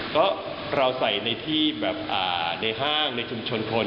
ก็เราใส่ในที่แบบในห้างในชุมชนคน